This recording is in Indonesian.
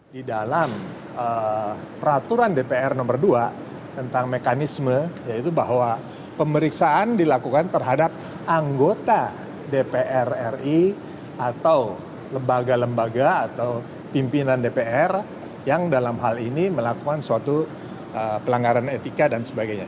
di dalam peraturan dpr nomor dua tentang mekanisme yaitu bahwa pemeriksaan dilakukan terhadap anggota dpr ri atau lembaga lembaga atau pimpinan dpr yang dalam hal ini melakukan suatu pelanggaran etika dan sebagainya